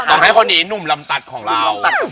ทำให้คนนี้หนุ่มลำตัดของเรา